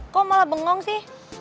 kok malah bengong sih